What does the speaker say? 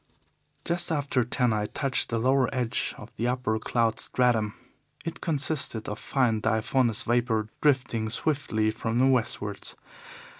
"Just after ten I touched the lower edge of the upper cloud stratum. It consisted of fine diaphanous vapour drifting swiftly from the westwards.